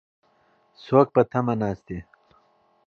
څوک په تمه ناست دي؟